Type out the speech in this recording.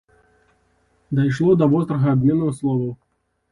Дайшло да вострага абмену словаў.